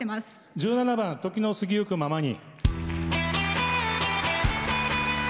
１７番「時の過ぎゆくままに」。